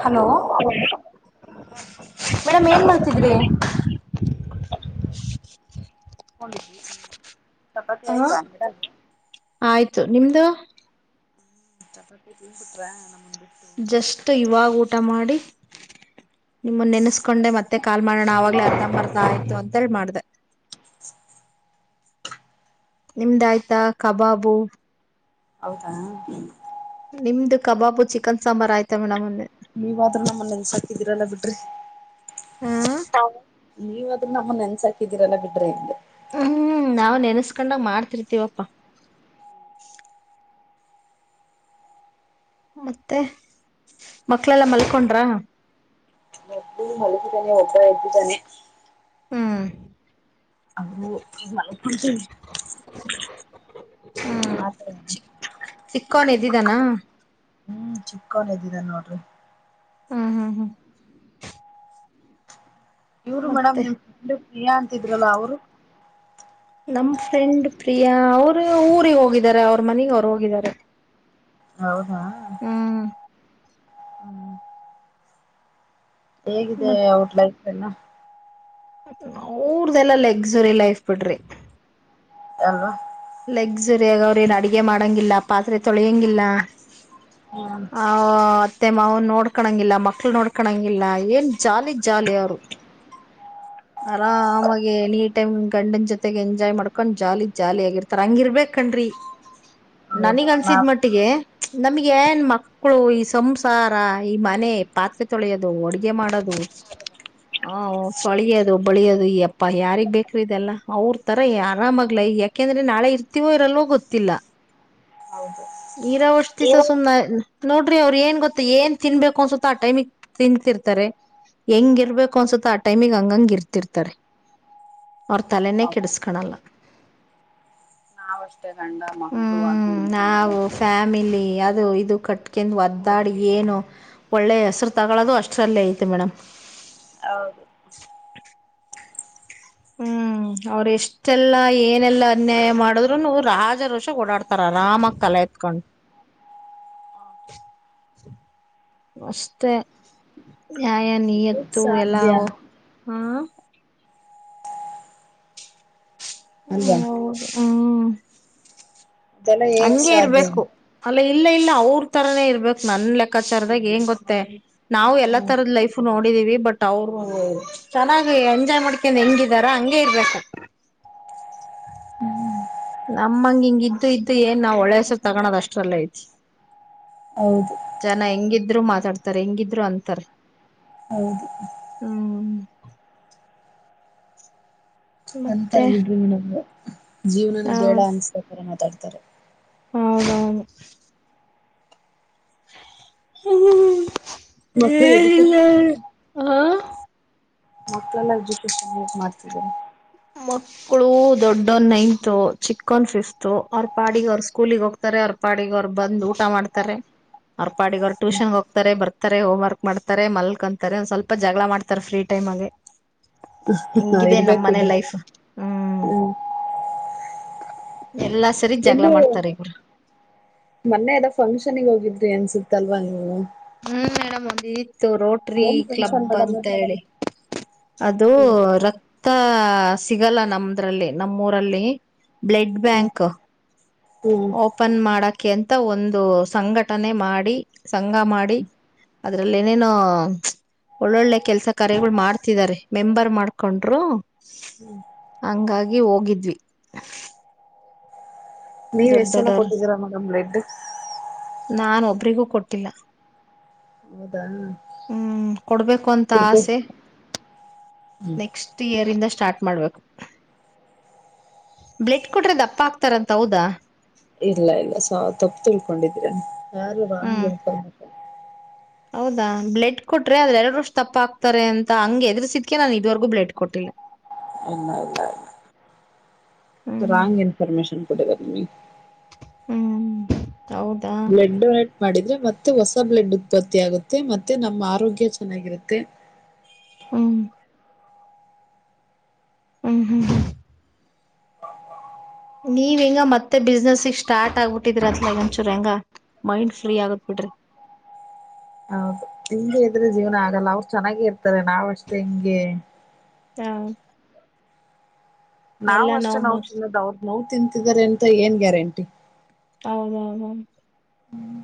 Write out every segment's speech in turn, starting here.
Hello ತಿಂದಾಗ್ ನಾನ್ madam ಏನ್ ಮಾಡ್ತಿದ್ರಿ ಕುತ್ಕೊಂಡಿದ್ವಿ ಸು ಚಪಾತಿ ಹ ಆಯ್ತ ಆಯ್ತು ನಿಮ್ದು ಚಪ್ಪಾತಿಿ ತಿ ಬಿಿಟ್ರ ನಮ್ಮ ಮುಂದ ಜಸ್ಟ್ ಇವಾಗ ಊಟ ಮಾಡಿ ನಿಮ್ಮನ್ನ ನೆನೆಸ್ಕೊಂಡೆ ಮತ್ತೆ ಕಾಲ್ ಮಾಡೋಣ ಆಾಗ್ಲೇ ಅರ್ಥ್ ಬರ್ತಾ ಆಯ್ತು ಅಂತ ಹೇಳಿ ಮಾಡ್ದ [unintelligible] ನಿಮ್ದಾಯ್ತಾ ಕಬಾಬು ಹೌದಾ ನಿಮ್ದು ಕಬಾಬು ಚಿಕನ್ ಸಾಂಬಾರು ಆಯ್ತಾ ಮೇಡಮ್ ಎಂದೇ. ನೀವಾದ್ರೂ ನಮ್ಮನ್ ನೆನ್ಸಾಕಿದಿರಲ್ಲ ಬಿಡ್ರಿ ಹ ನೀವ್್ರ ನಮ್ಮ ನೆನ್ಸ ಹಾಕಿದೀರಲ್ಲ ಬಿಡ್ರೆ ಇಲ್ಲಿ ಹ್ಮ್ ನಾವ್ ನೆನ್ಸ್ಕೊಂಡ ಮಾಡ್ತಿರ್ತೀವಪ್ಪಾ ಮತ್ತೆ ಮಕ್ಳೆಲ್ಲಾ ಮಲ್ಕೊಂಡ್ರ ಒಬ ಎತಿ ತಾನೆ ಹ್ಮ ಅ ಹಾ ಸ ಇದಾನ. ಹ್ಮ್ ಚಿಕ್ಕೊನ ಎಡ್ಡಿದಾನ್ ನೋಡ್ರಿ. ಹ್ಮ ಹ್ಮ ಹ್ಮ. ಇವರು ಮೇಡಮ್ ನಿಮ್ ನಿಮ ಪ್ರಿಯಾ ಅಂತಿದ್ರಲ್ಲ ಅವರು. ನಮ್ಮ್ ಫ್ರೆಂಡ್ ಪ್ರಿಯಾ ಅವರು ಊರಿಗೆ ಹೋಗಿದ್ದಾರೆ ಅವ್ರ ಮನಿಗ್ ಅವರು ಹೋಗಿದ್ದಾರೆ. ಹೌದ. ಹ್ಮ್ ಹೇಗಿದೆ ಔಟ್ ಲೈಟ್ ಎಲ್ಲಾ. ಅವರದೆಲ್ಲ ಲಕ್ಸುರಿ ಲೈಫ್ ಬಿಡ್ರಿ. [inaudible] ಲೆಗ್ಸುರಿಯಾಗಿ ಅವ್ರೇ ಏನ ಅಡಗೆ ಮಾಡಂಗಿಲ್ಲ ಪಾತ್ರೆ ತೊಳೆಯಂಗಿಲ್ಲ. ಹ್ಮ್ ಹಾ. ಅತ್ತೆ ಮಾವನ್ ನೋಡ್ಕೊಂಗಿಲ್ಲ ಮಕ್ಳ ನೋಡ್ಕಳಂಗಿಲ್ಲ ಏನ್ ಜಾಲಿ ಜಾಲಿ ಅವರು. ಆರಾಮಾಗಿ ಎನಿ ಟೈಮ್ ಗಂಡನ್ ಜೊತೆಗೆ ಎಂಜಾಯ್ ಮಾಡ್ಕೊಂಡ್ ಜಾಲಿ ಜಾಲಿ ಆಗಿರ್ತ. ಹಂಗಿರಬೇಕ್ ಕಣ್ರಿ ಹೌದು ನನಗ್ ನಾ ಅನ್ಸಿದ್ ಮಟ್ಟಿಗೆ. ನಮ್ಗೆ ಏನ್ ಮಕ್ಕಳು ಈ ಸಂಸಾರ ಈ ಮನೆ ಪಾತ್ರೆ ತೊಳೆಯೋದು ಅಡ್ಗೆ ಮಾಡೋದು. [inaudible] ಹ ತೊಳಿಯೋದು ಬಳಿಯೋದು ಈ ಅಪ್ಪ ಯಾರಿಗ್ ಬೇಕ್ರದೆಲ್ಲ ಅವ್ರ ತರ ಆರಾಮಾಗ್ಲ ಯಾಕೆಂದ್ರ. ನಾಳೆ ಇರ್ತೀವೋ ಇರಲ್ವೋ ಗೊತ್ತಿಲ್ಲ ಹೌದು ಇರೋ ವಷ್ಟ ದಿವಸ ಸುಮ್ನೆ. ನೋಡ್ರಿ ಅವ್ರ ಏನ್ ಗೊತ್ತ ಏನ್ ತಿನ್ಬೇಕು ಅನ್ಸುತ್ತ ಆ ಟೈಮಿಗೆ ತಿಂತಿರ್ತಾರೆ. ಹೆಂಗ ಇರ್ಬೇಕು ಅನ್ಸುತ್ತ ಆ ಟೈಮಿಗೆ ಹಂಗಂಗ ಇರ್ತಿರ್ತಾರೆ. ಅವ್ರ ತಲೆನೇ ಹೌದು ಕೆಡಿಸಕಣಲ್ಲ. ನಾವಷ್ಟೇ ಗಂಡ ಮಕ್ಕಳು ಅದು ಹ್ಮ್ ಇದು. ನಾವು ಫ್ಯಾಮಿಲಿ ಅದು ಇದು ಕಟ್ಕಂದು ಒದ್ದಾಡಿ ಏನು ಒಳ್ಳೆ ಹೆಸರು ತಗೊಳೋದು ಅಷ್ಟರಲ್ಲೇ ಐತೆ ಮೇಡಮ್. ಹೌದು. ಹ್ಮ್. ಹ್ಮ ಅವ್ರ ಎಷ್ಟೆಲ್ಲಾ ಏನೆಲ್ಲಾ ಅನ್ಯಾಯ ಮಾಡಿದ್ರುನು ರಾಜ ರೋಷ ಓಡಾಡ್ತಾರ ಆರಾಮ ತಲೆ. ಎತ್ಕೊಂಡು. ಅಷ್ಟೇ ಯಾಯನ್. ಹೇಗ್ ನಿಯತ್ತು ಎಲ್ಲಾ ಸಾಧ್ಯ ಹಾ. ಅಲ್ವಾ ಹ್ಮ ಹೌದು. ಹ್ಮ್ ಅದೆಲ್ಲ ಹೇಗ್ ಹಂಗೆ ಸಾಧ್ಯ ಇರ್ಬೇಕು ಅ. ಇಲ್ಲ ಇಲ್ಲ ಅವ್ರ ತರಾನೇ ಇರ್ಬೇಕು ನನ್ ಲೆಕ್ಕಾಚಾರದಾಗ ಏಂಗ ಗೊತ್ತೆ ನಾವು ಎಲ್ಲಾ ಹ್ಮ್. ತರದ ಲೈಫ್ನು. ನೋಡಿದೀವಿ ಬಟ್ ಅವರು ಚೆನ್ನಾಗಿ ಎಂಜಾಯ್ ಮಾಡ್ಕೊಂಡ್ ಹೆಂಗಿದಾರ ಹಂಗೆ ಇರ್ಬೇಕ. [inaudible] ಹ್ಮ್. ನಮ್ಮಂಗ ಹಿಂಗ ಇದ್ದು ಇದ್ದು ಏನ್ ನಾವ್ ಒಳ್ಳೆ ಹೆಸರ ತಗೊಳೋದ ಅಷ್ಟ್ರಲ್ಲ ಐತಿ. ಹೌದು ಜನ ಹೆಂಗಿದ್ರು ಮಾತಾಡ್ತಾರೆ ಹೆಂಗಿದ್ರು ಅಂತಾರೆ. ಹೌದು. ಹ್ಮ್ ಅಂತರ ಮತ್ತೆ ಬಿಡ್ರಿಡಮದು. ಜೀವನನೇ ಆ ಬೇಡ ಅನ್ಸೋರ ಮಾತಾಡ್ತಾರೆ ಹೌದೌದು ಹ್ಮ್ ಮಸ್ದು ಆ ಮಕ್ಳೆಲ್ಲ ಎಡ್ಜುಕೇಶನ್ ಹೇ ಮಾಡ್ತಿದ್ದಾರೆ. ಮಕ್ಕಳು ದೊಡ್ಡೊವ್ನ ನೈನ್ತ್ ಚಿಕ್ಕೊವ್ನ ಫಿಫ್ತ್ ಅವ್ರ ಪಾಡಿಗೆ ಅವರು ಸ್ಕೂಲಿಗೆ ಹೋಗ್ತಾರೆ ಅವ್ರ. ಪಾಡಿಗೆ ಅವ್ ಬಂದು ಊಟ ಮಾಡ್ತಾರೆ. ಅವರ್ ಪಾಡಿಗ್ ಅವ್ರು ಟ್ಯೂಷನಗೆ ಹೋಗ್ತಾರೆ ಬರ್ತಾರೆ ಹೋಮ್ ವರ್ಕ್ ಮಾಡ್ಕೊಂತಾರೆ ಮಲ್ಕಂತಾರೆಂದ ಸ್ವಲ್ಪ ಜಗಳ ಮಾಡ್ತ ಫ್ರೀ ಟೈಮ್. ಮಲೆ. ಹ ಇರ್ಬೇಕು ಬಿಡ್ರಿ ಹ್ಮ್ ಹ್ಮ. ಎಲ್ಲಾ ಸರಿ ಜಗಳ ಇದು ಮಾಡ್ತಾರೆ ಇವ್ರು ಮೊನ್ನೆ ಅದ ಫಂಕ್ಷನ್ಗೆ ಹೋಗಿದ್ರಿ ಅನ್ಸುತ್ತಲ್ವಾ ನೀವು. ಹ್ಮ ಮೇಡಮ್ ಒಂದಿತ್ತು ರೋಟ್ರಿ ಏನ್ ಫಂಕ್ಷನ್ ಕ್ಲಬ್ ಮೇಡಮ್ ಅಂತ ಅದು. ಹೇಳಿ. ಅದು ಹ್ಮ್ ರಕ್ತ ಸಿಗಲ್ಲ ನಮ್ದ್ರಲ್ಲಿ ನಮ್ಮೂರಲ್ಲಿ. ಬ್ಲಡ್ ಹ್ಮ್ ಬ್ಯಾಂಕ್ ಹ್ಮ್ ಓಪನ್ ಮಾಡಕ ಅಂತ. ಇಂತ ಒಂದು ಸಂಘಟನೆ ಮಾಡಿ ಸಂಘ ಮಾಡಿ ಅದ್ರಲ್ಲಿ ಏನೇನು ಒಳ್ಳೊಳ್ಳೆ ಕೆಲ್ಸ ಕಾರ್ಯಗಳು ಮಾಡ್ತಿದ್ದಾರೆ ಮೆಂಬರ್ ಮಾಡ್ಕೊಂಡರು ಹಂಗಾಗಿ ಹೋಗಿದ್ವಿ ನೀವ್ ದೊಡ್ಡ ಎಷ್ಟೆಲ್ಲ ದೊಡ್ಡವರು ಕೊಟ್ಟಿದ್ದೀರಮ್ಮ ಕಂಪ್ಲೇಂಟ್ ನಾನ ಒಬ್ರಿಗೂ ಕೊಟ್ಟಿಲ್ಲ ಹೌದಾ ಹ್ಮ್ ಕೊಡ್ಬೇಕು ಅಂತ ಕೊಡ್ಬೇಕು ಆಸೆ ಹ್ಮ್ ನೆಕ್ಸ್ಟ್ ಇಯರ್ ಇಂದ ಸ್ಟಾರ್ಟ್ ಮಾಡ್ಬೇಕು ಬ್ಲೆಡ್ ಕೊಟ್ರೆ ದಪ್ಪ ಆಗ್ತಾರಂತ ಹೌದಾ ಇಲ್ಲ ಇಲ್ಲ ಸಾವ ತಪ್ಪು ತಿಳ್ಕೊಂಡಿದೀರ ಯಾರು ಹ್ಮ್ ರಾಂಗ್ಗೆಂಪ ಹೌದಾ ಬ್ಲಡ್ ಕೊಟ್ರೆ ಅದ್ರೆರರುೂಷ್ಟು ತಪ್ಪ ಆಗ್ತಾರೆ ಅಂತ ಹಂಗ್ ಎದ್ರಸಿದ್ಕೆ ನಾನ್ ಇದುವರೆಗೂ ಬ್ಲಡ್ ಕೊಟ್ಟಿಲ್ಲ [inaudible] ಇಲ್ಲ ಇಲ್ಲ ಇಲ್ಲ ರಾಂಗ್ ಹ್ಮ್ ಇನ್ಫರ್ಮೇಶಷನ್ ಕೊಡಗರಮಿ ಹೌದಾ ಬ್ಲಡ್ ಡೊನೇಟ್ ಮಾಡಿದ್ರೆ ಮತ್ತೆ ಹೊಸ ಬ್ಲಡ್ ಉತ್ಪತ್ತಿ ಆಗುತ್ತೆ ಮತ್ತೆ ನಮ್ಮ ಆರೋಗ್ಯ ಚೆನ್ನಾಗಿರುತ್ತೆ ಹ ಹ್ಮ್ ಹ್ಮ್ ಹ್ಮ ನೀವ ಹಂಗ ಮತ್ತೆ ಬಿಸ್ನೆಸ್ಗ್ ಸ್ಟಾರ್ ಆಗ್ಬಿಟ್ಟಿದ್ರ ಅತ್ಗಂಚೂರ್ ಹೆಂಗ ಮೈಂಡ್ ಫ್ರೀಯಗ ಬಿಡ್ರ ಹಾ ಹಿಂಗೆ ಇದ್ರೆ ಜೀವನ ಆಗಲ್ಲ ಅವ್ರು ಚೆನ್ನಾಗೇ ಇರ್ತಾರೆ ನಾವ ಅಷ್ಟೇ ಹೆಿಂಗೆ ಹ ನಾವ್ ಎಲ್ಲಾ ಅಷ್ಟೇ ನೋ ಮುಗ್ಸ್ ತಿನ್ನೋದು ಅವ್ರ ನೋ್ ತಿಂತಿದಿದ್ದಾರೆ ಅಂತ ಏನ್ ಗ್ಯಾರಂಟಿ ಹೌದೌದ ಹ್ಮ್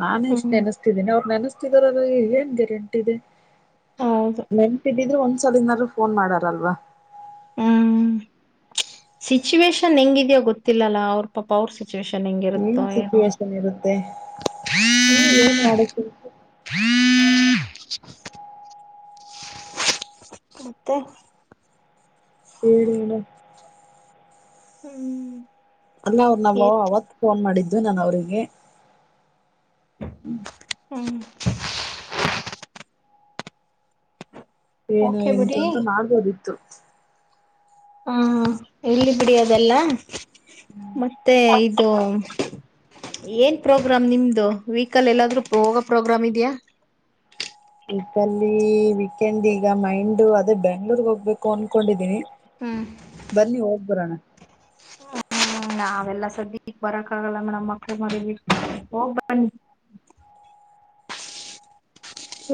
ನಾನು ಇಷ್ಟ್ ಹ್ಮ್ ನೆನಸ್ತಿದ್ದೀನಿ ಅವ್ರ ನೆನಸ್ತ ಏನ್ ಗ್ಯಾರಂಟಿ ಇದೆ ಹೌದು ನೆನಪಿದಿದ್ರೆ ಒಂದ ಸಲನಾದರು ಫೋನ್ ಮಾಡಾರಲ್ವಾ ಹ್ಮ್ ಸಿಚುವೇೇಶನ್ ಹೆಂಗಿದ್ಯ ಗೊತ್ತಿಲ್ಲಲ್ಲ ಅವ್ರ ಪಾಪ ಅವ್ರ ಸಿಚುವೇಶನ್ ಚೆನ್ನಂಗ ಏನ್ ಇರುತ್ತೋ ಏನು ಸಿಚುವೇಶನ್ ಇರುತ್ತೆ ಏನು ಮಾಡಕ್ ಹ್ಮ ಮತ್ತೆ ಏಳಿ ಮೆಡಂ ಹ್ಮ್ ಅಲ್ಲ ಅವ್ರು ನಾವ ಹೇಳ್ತೀನಿ. ಅವತ್ ಫೋನ್ ಮಾಡಿದ್ದು ನಾನ ಅವ್ರಿಗೆ ಹ್ಮ ಏನು ಓಕೆ ಎಂತು ಬಿಡಿ ಅಂತ ಮಾಡ್ಬೋದಿತ್ತು ಹಾ ಇರಲ್ಲಿ ಬಿಡಿಹದೆಲ್ಲ ಮತ್ತೆ ಇದು ಏನ್ ಪ್ರೋಗ್ರಾಮ್ ನಿಮ್ದು ವೀಕಲ್ಲಿ ಎಲ್ಲಾದ್ರೂ ಹೋಗೋ ಪ್ರೋಗ್ರಾಮ್ ಇದೆಯ ವೀಕಲ್ಲಿ ವೀಕೆಂಡ್ ಈಗ ಮೈಂಡ್ ಅದೇ ಬೆಂಗ್ಳೂರ್ಗ್ ಹೋಗ್ಬೇಕು ಅನ್ಕೊಂಡಿದೀನಿ ಹ್ಮ್ ಬನ್ನಿ ಹೋಗ್ಬರೋಣ ಹ್ಮ ನಾವೆಲ್ಲ ಸದಿಗ್ ಬರಕ್ ಆಗಲ್ಲಮ್ಮ ನಮ್ಮ್ ಮಕ್ಳು ಮನೆಯಲ್ಲಿ ಹೋಗ ಬನ್ನಿ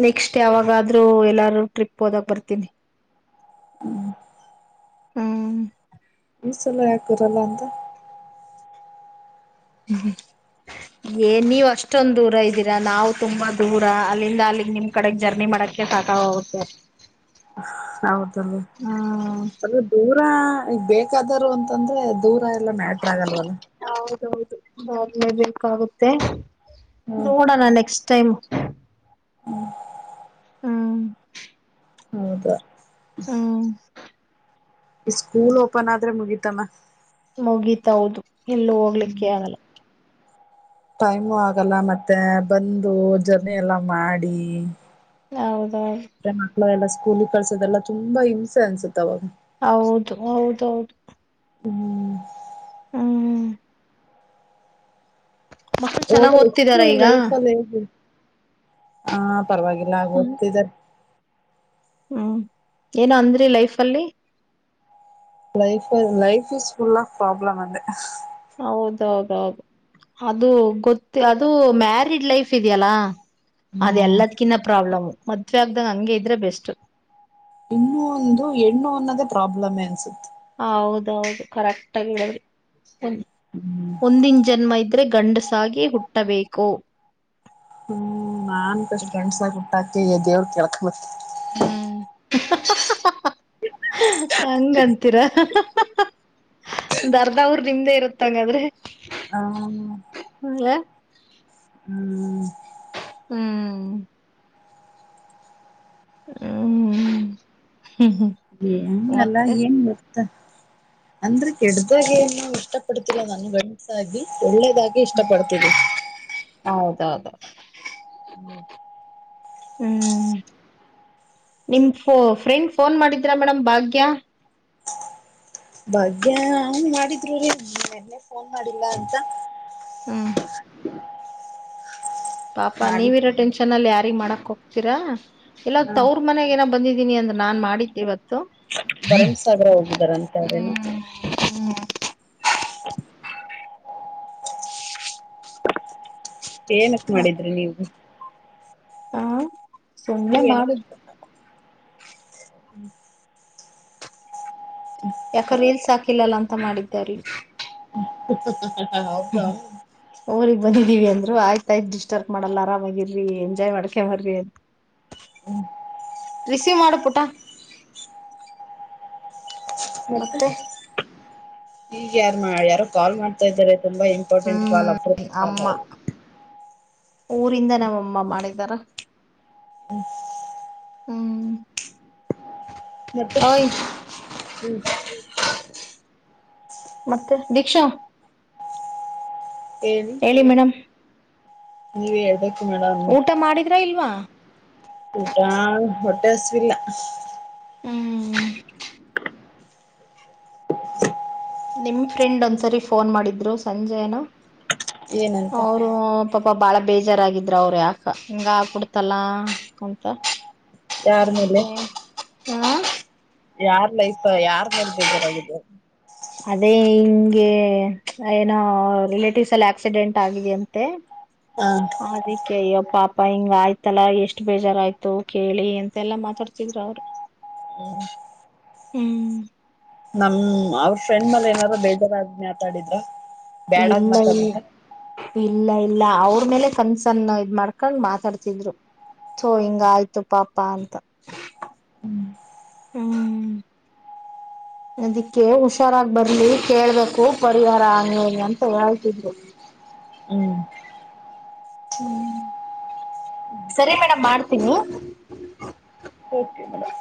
ನೆಕ್ಸ್ಟ ಯಾವಾಗಾದ್ರೂ ಎಲ್ಲಾರೂ ಟ್ರಿಪ್ ಹೋದಕ್ ಬರ್ತೀನಿ ಹ್ಮ್ ಈ ಸಲ ಯಾಕ ಹೋಗಲ ಅಂತ ಹ್ಮ್ ಏ ನೀವ್ ಅಷ್ಟೊಂದ್ ದೂರ ಇದ್ದೀರಾ ನಾವು ತುಂಬಾ ದೂರ ಅಲ್ಲಿಂದ ಅಲ್ಲಿಗ್ ನಿಮ್ ಕಡೆಗ್ ಜರ್ನಿ ಮಾಡಕ್ ಸಾಕಾಗಿ ಹೋಗುತ್ತೆ ಹೌದಲ್ಲ ಅದು ದೂರ ಈಗ ಬೇಕಾದರು ಅಂತಂದ್ರೆ ದೂರ ಎಲ್ಲ ಮ್ಯಾಟ್ರ ಆಗಲ್ವಲ್ಲ ಹೌದೌದು ಹೋಗಲೇ ಬೇಕಾಗುತ್ತೆ ಹ್ಮ ನೋಡೋಣ ನೆಕ್ಸ್ಟ್ ಟೈಮ್ ಹ್ಮ ಹ್ಮ ಹೌದ ಹ್ಮ ಸ್ಕೂಲ್ ಓಪನ್ ಆದ್ರೆ ಮುಗಿತಮ್ಮ ಮುಗೀತ ಹೌದು ಇಲ್ಲ ಹೋಗ್ಲಿಕ್ಕೆ ಹ್ಮ್ ಆಗಲ್ಲ ಟೈಮು ಆಗಲ್ಲ ಮತ್ತೆ ಬಂದು ಜರ್ನಿ ಎಲ್ಲ ಮಾಡಿ ಹೌದು ೆ ಮಕ್ಳು ಎಲ್ಲಾ ಸ್ಕೂಲಿ ಕಳ್ಸೋದೆಲ್ಲ ತುಂಬಾ ಹಿಂಸೆನ್ಸುತ್ತೆ ಹೌದು ಹೌದೌದು ಹ್ಮ್ ಹ್ಮ್ ಮಕ್ಕಳು ಚೆನ್ನಾಗ್ ಇಷ್ಟು ಓದ್ತಿದಾರ ಈಗ ಲೈಫಲ್ಲಿ ಹಾ ಪರವಾಗಿಲ್ಲ ಹ್ಮ್ ಆಗ್ತಿದಿದ್ದಾರೆ ಹ್ಮ್ ಏನ ಅಂದ್ರಿ ಲೈಫ್ ಲ್ಲಿ ಲೈಫ ಲೈಫ್ ಇಸ್ ಫುಲ್ಲ ಆ ಪ್ರಾಬ್ಲಮ ಅಂದ ಹೌದೌದೌದು ಅದು ಗೊತ್ತ ಅದು ಮ್ಯಾರಿಡ್ ಲೈಫ್ ಇದೆಯಲ್ಲಾ ಅದ ಹ್ಮ್ ಎಲ್ಲದಕಿನ್ನ ಪ್ರಾಬ್ಲಮ್ ಮದ್ವೆೆ ಆಗ್ದಾಗ ಹಂಗೆ ಇದ್ರೆ ಬೆಸ್ಟ್ ಇನ್ನ ಒಂದು ಹೆಣ್ಣು ಅನ್ನೋದೇ ಪ್ರಾಬ್ಲಮೆ ಅನ್ಸುತ್ತೆ ಹ ಹೌದೌದು ಕರೆಕ್ಟ್ ಆಗ ಹೇಳಡಿ ಹ್ಮ್ ಒಂದಿನ ಜನ್ಮ ಇದ್ದ ೆ ಗಂಡಸಾಗಿ ಹುಟ್ಟಬೇಕು ಹ್ಮ್ ನಾನ್ ಅಷ್ಟ ಫ್ರೆಂಡ್ಸ್ ಹುಟ್ಟಾಕಿ ದೇವ್ರ ಕೇಳ್ಕ ಹ್ಮ್ ಹಂಗಂತೀರ ಅರ್ಧಾ ಊರ್ ನಿಮ್ದೇ ಇರುತ್ತಂಗಾದ್ರೆ ಆ ಹ್ಮ ಹ್ಮ್ ಹ್ಮ್ ಹ್ಮ್ ಏನ್ಲ್ಲ ಮತ್ತೆ ಏನ್ ಅಂದ್ರೆ ಕೆಡ್ದಾಗ ಏನು ಇಷ್ಟ ಪಡ್ತಿಲ್ಲ ನಾನು ಗಂಸಾಗಿ ಒಳ್ಳೆದಾಗಿ ಇಷ್ಟ ಪಡ್ತಿದೆ ಹೌದೌದು ಹ್ಮ ಹ್ಮ್ ನಿಮ್ ಫ್ರೆಂಡ್ ಫೋನ್ ಮಾಡಿದ್ರಾ ಮೇಡಮ್ ಭಾಗ್ಯ ಬಗ್್ಯಾ ಮಾಡಿದ್ರು ರೀ ಫೋನ್ ಮಾಡಿಲ್ಲ ಅಂತ ಹ್ಮ್ ಪಾಪ ಮಾಡಿ ನೀವಿ ಇರೋ ಟೆನ್ಷನ್ ಅಲ್ಲಿ ಯಾರಿ ಮಾಡಕ್ ಹೋಗ್ತೀರಾ ಇಲ್ಲ ತ ಹ ಅವ್ರ ಮನ್ಾಗ ಏನ ಬಂದಿದ ಇದಿನಿ ಅಂದ್ರ ನಾನ್ ಮಾಡಿದ್ದೆ ಇವತ್ತು ಭರಮಸಾಗರ ಹೋಗಿದಾರಂತ ಅವೇನು ಹ್ಮ್ ಹ ಏನಕ್ ಮಾಡಿದ್ರಿ ನೀವು ಹಾ ಸನ್ನ ಮಾಡ ಹ್ಮ್ ಯಾಕ ರೀಲ್ಸ್ ಹಾಕಿಲ್ಲಲ್ಲ ಅಂತ ಮಾಡಿದಿದ್ದಾರೆ ಹ ಹಬ್ಬ ಿವವಿ ಅಂದ್ರು ಆಯ್ತಾಯಯ್ತ್ ಡಿಸ್ಟರ್ ಮಾಡಲ್ಲ ಆರಾಮಾಗಿರರಿ ಎಂಜಾಯ್ ಮಾಡ್ಕ ಮರ್ರಿ ಅಂತ ರಿಸೀವ್ ಮಾಡು ಪುಟ ಮತ್ತೆ ಈಗ ಯಾರ ಮಾಡ ಯಾರೋ ಕಾಲ್ ಮಾಡ್ತಾ ಇದಾರೆ ತುಂಬಾ ಇಂಪಾರ್ಟೆಂಟ್ ಕಾಲ್ ಹ್ಮ್ ಅಪ ಅಮ್ಮ ಊರಿಂದ ನಮ್ಮಮ್ಮ ಮಾಡಿದಾರ ಹ ಹ್ಮ ಮತ್ತೆ ಹ್ಮ್ ಮತ್ತೆ ದೀಕ್ಷಾ ಹೇಳಿ ಮೇಡಮ್ ನೀವ ಹೇಳಡು ಊಟ ಮಾಡಿದ್ರ ಇಲ್ವಾ ಊಟಾ ಹೊಟ್ಟೆ ಅಸವಿಲ್ಲ ಹ್ಮ್ ನಿಮ್ ಫ್ರೆಂಡ್ ಒಂದ್ಸರಿ ಫೋನ್ ಮಾಡಿದ್ರು ಸಂಜೆನ ಏನಂತ ಅವರು ಪಪಾ ಬಾಳ ಬೇಜಾರಾಗಿದ್ರ ಅವ್ರ ಯಾಕ ಹಿಂಗ ಕುಡ್ತಲ್ಲ ಕುಂತ ಯಾರನಲೆ ಯಾರ್ ಲೈಫ್ ಯಾರ ಮೇಲ್ ಬೇಜಾರಾಗಿದೆ ಅದೇ ಹಿಂಗೆ ಏನೋ ರಿಲೇಟಿವ್ಸ್ ಎಲ್ಲ ಆಕ್ಸಿಡೆಂಟ್ ಆಗಿದೆ ಅಂತೆ ಹ ದಕ್ಕೆಯ ಪಾ ಪ್ಪಾ ಹಿಂಗ ಆಯ್ತಲ್ಲಾ ಎಷ್ಟ್ ಬೇಜಾರಾಯ್ತು ಕೇಳಿ ಎಂತೆ ಎಲ್ಲಾ ಮಾತಾಡ್ತಿದ್ರ ಅವರು ಹ್ಮ ಹ್ಮ ನಮ್ ಅವ್ರ ಫ್ರೆಂಡ್ ಮಲೆ ಏನಾರು ಬೇಜಾರಾದ್ ಮಾತಾಡಿದ್ರ ಬ್ಯಾಡಾಗಿ ಇಲ್ಲ ಇಲ್ಲ ಮಾತಾಡಿದ್ರ ಇ ಇಲ್ಲ ಅವ್ರ ಮೇಲೆ ಕನ್ಸನ್ನ ಇದ್ ಮಾಡ್ಕೊಂಡ್ ಮಾತಾಡ್ತಿದ್ರು. ತೂ ಹಿಂಗ್ ಆಯ್ತು ಪಾಪ ಅಂತ ಹ್ಮ್. ಅದಿಕ್ಕೆ ಹುಷಾರಾಗ ಬರ್ಲಿ ಕೇಳ್ಬೇಕು ಪರಿಹಾರ ನೀ ಅಂತ ಹೇಳ್ತಿದ್ರು. ಹಾ ಹ್ಮ್ ಹ್ಮ್ ಸರಿ ಮೇಡಮ್ ಮಾಡ್ತೀನಿ. Okay madam